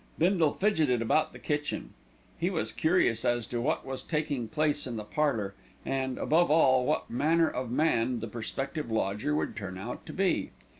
Bindle fidgeted about the kitchen. He was curious as to what was taking place in the parlour and, above all, what manner of man the prospective lodger would turn out to be.